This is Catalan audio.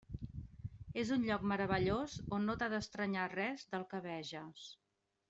És un lloc meravellós on no t'ha d'estranyar res del que veges.